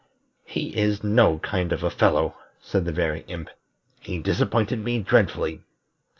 "He is no kind of a fellow," said the Very Imp. "He disappointed me dreadfully.